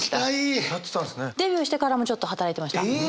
デビューしてからもちょっと働いてました。